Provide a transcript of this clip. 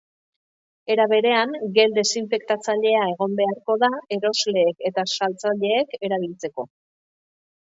Era berean, gel desinfektatzailea egon beharko da erosleek eta saltzaileek erabiltzeko.